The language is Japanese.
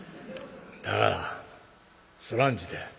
「だからそらんじて」。